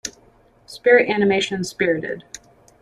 Spirit animation Spirited.